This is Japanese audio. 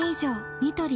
ニトリ